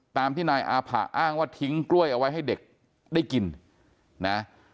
ตามที่นายอาผะอ้างว่าทิ้งกล้วยเอาไว้ให้เด็กได้กินนะ